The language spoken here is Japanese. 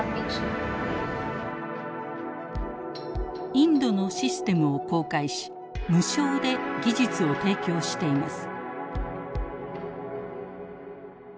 インドのシステムを公開し無償で技術を提供しています。